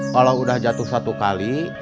kalau sudah jatuh satu kali